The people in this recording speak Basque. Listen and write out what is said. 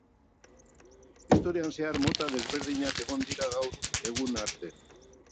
Historian zehar mota desberdinak egon dira gaur egun arte.